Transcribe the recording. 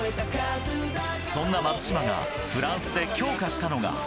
そんな松島がフランスで強化したのが。